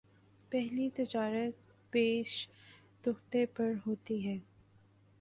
پہلی تجارت بیشتختے پر ہوتی ہے